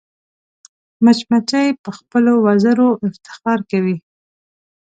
مچمچۍ په خپلو وزرو افتخار کوي